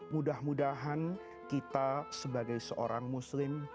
mudah mudahan kita sebagai seorang muslim